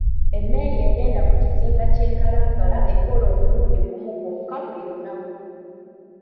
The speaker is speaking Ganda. Emmeri egenda ku kizinga ky'e Kalangala ekola omulundi gumu gwokka buli lunaku.